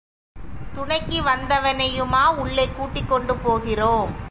துணைக்கு வந்தவனையுமா உள்ளே கூட்டிக் கொண்டு போகிறோம்?